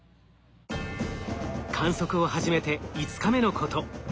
観測を始めて５日目のこと。